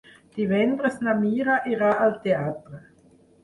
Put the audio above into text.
Divendres na Mira irà al teatre.